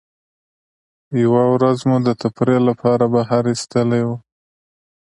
یوه ورځ مو د تفریح له پاره بهر ایستلي وو.